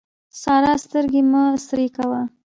سارا سترګې مه سرې کوه.